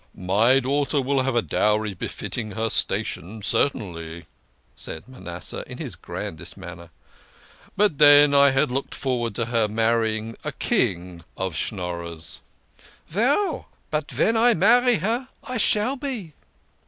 " My daughter will have a dowry befitting her station, cer tainly," said Manasseh, with his grandest manner ;" but then I had looked forward to her marrying a king of Schnorrers." " Veil, but ven I marry her I shall be."